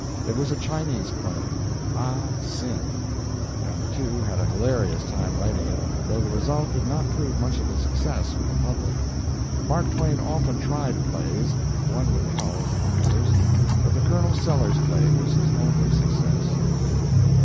It was a Chinese play, "Ah Sin," and the two had a hilarious time writing it, though the result did not prove much of a success with the public. Mark Twain often tried plays one with Howells, among others but the Colonel Sellers play was his only success.